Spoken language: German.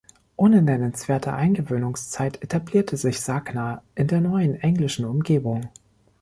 Ohne nennenswerte Eingewöhnungszeit etablierte sich Sagna in der neuen englischen Umgebung.